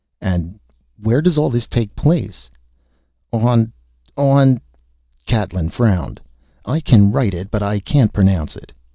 "And where does all this take place?" "On on " Catlin frowned. "I can write it, but I can't pronounce it."